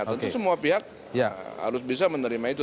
tentu semua pihak harus bisa menerima itu